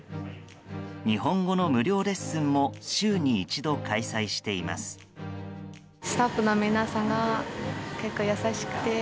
日本語の無料レッスンも週に一度、開催しています。